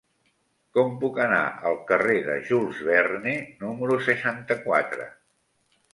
Com puc anar al carrer de Jules Verne número seixanta-quatre?